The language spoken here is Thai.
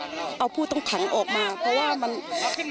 ผลตำรวจเอกสุชาติธีรสวรรค์รองผู้ประชาการตำรวจแห่งชาติ